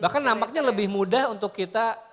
bahkan nampaknya lebih mudah untuk kita